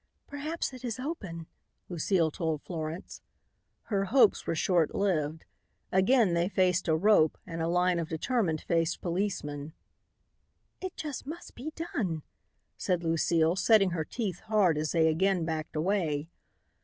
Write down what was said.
"Perhaps it is open," Lucile told Florence. Her hopes were short lived. Again they faced a rope and a line of determined faced policemen. "It just must be done!" said Lucile, setting her teeth hard as they again backed away.